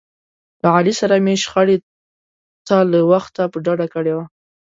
له علي سره مې شخړې ته له وخته په ډډه کړي و.